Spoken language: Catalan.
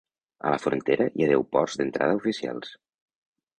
A la frontera hi ha deu ports d'entrada oficials.